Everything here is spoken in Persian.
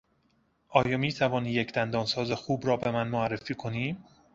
آیا میتوانی یک دندانساز خوب را به من معرفی کنی؟